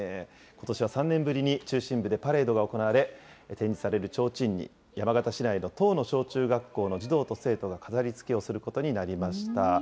ことしは３年ぶりに中心部でパレードが行われ、展示されるちょうちんに、山形市内の１０の小中学校の児童と生徒が飾りつけをすることになりました。